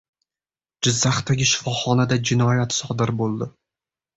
Jizzaxdagi shifoxonada jinoyat sodir bo‘ldi